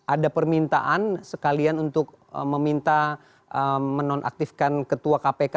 ada permintaan sekalian untuk meminta menonaktifkan ketua kpk